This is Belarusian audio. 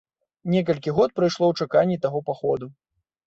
Некалькі год прайшло ў чаканні таго паходу.